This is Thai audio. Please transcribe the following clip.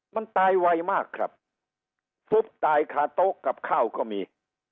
มันตายไวมากครับฟุบตายคาโต๊ะกับข้าวก็มี